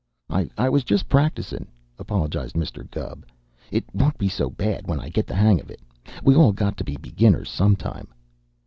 "I was just practicin'," apologized Mr. Gubb. "It won't be so bad when I get the hang of it. We all got to be beginners sometime."